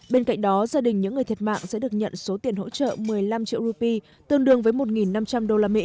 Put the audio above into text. bên cạnh đó gia đình những người thiệt mạng sẽ được nhận số tiền hỗ trợ một mươi năm triệu rupee tương đương với một năm trăm linh usd